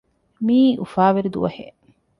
މިއީ އުފާވެރި ދުވަހެއް